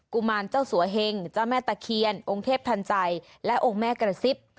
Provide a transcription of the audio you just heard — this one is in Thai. ุมารเจ้าสัวเฮงเจ้าแม่ตะเคียนองค์เทพทันใจและองค์แม่กระซิบ